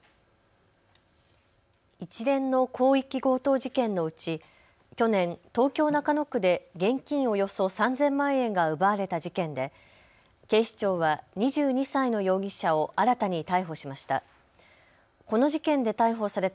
一連の広域強盗事件のうち、去年、東京中野区で現金およそ３０００万円が奪われた事件で警視庁は２２歳の容疑者を新たに逮捕しました。